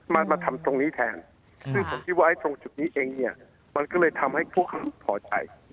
มามาทำตรงนี้แทนซึ่งผมคิดว่าตรงจุดนี้เองเนี่ยมันก็เลยทำให้พวกเขาพอใจ